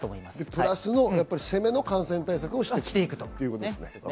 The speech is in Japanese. プラスの攻めの感染対策をしていくってことですね。